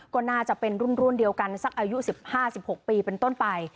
ก็น่าจะเป็นรุ่นเดียวกันสักอายุ๑๕๑๖ปีเป็นต้นไป